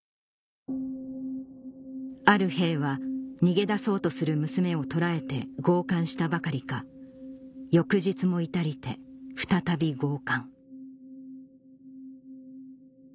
「ある兵は逃げ出そうとする娘を捕らえて強姦したばかりか翌日も至りて再び強姦」